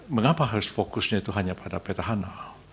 mengapa harus fokusnya itu hanya pada petahana